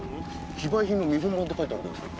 非売品の見本版って書いてあるんですけど。